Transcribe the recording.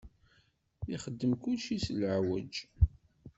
Ixeddem kulci s lɛuj.